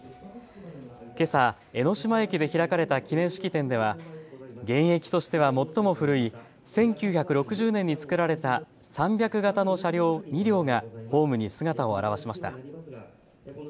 けさ江ノ島駅で開かれた記念式典では現役としては最も古い１９６０年につくられた３００形の車両２両がホームに姿を現しました。